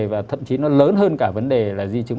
và thậm chí nó lớn hơn cả vấn đề là di chứng